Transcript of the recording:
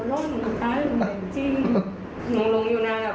แล้วสุดเราออกจากตรงนั้นได้ยังไง